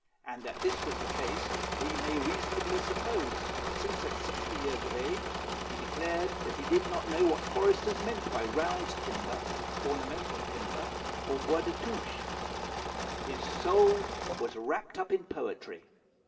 And that this was the case we may reasonably suppose, since at sixty years of age he declared that he did not know what foresters meant by round timber, ornamental timber, or bois de touche. His soul was wrapped up in poetry.